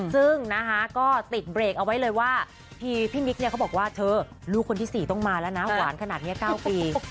ซึ่งนะคะก็ติดเบรกเอาไว้เลยว่าพี่มิ๊กเนี่ยเขาบอกว่าเธอลูกคนที่๔ต้องมาแล้วนะหวานขนาดนี้๙ปี